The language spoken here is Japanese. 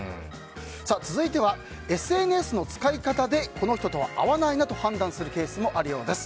続いては、ＳＮＳの使い方でこの人とは合わないなと判断するケースもあるようです。